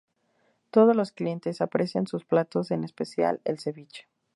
Todos los clientes aprecian sus platos, en especial, el ceviche.